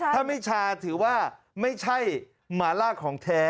ถ้าไม่ชาถือว่าไม่ใช่หมาล่าของแท้